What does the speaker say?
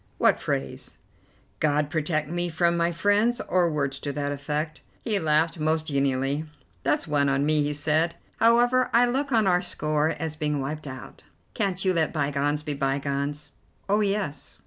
"What phrase?" "'God protect me from my friends,' or words to that effect." He laughed most genially. "That's one on me," he said. "However, I look on our score as being wiped out. Can't you let bygones be bygones?" "Oh, yes."